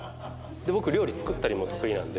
僕料理作ったりも得意なんで。